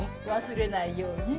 忘れないように。